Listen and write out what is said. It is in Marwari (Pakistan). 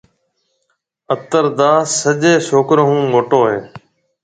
اتر داس سجيَ ڇوڪرون هون موٽو هيَ۔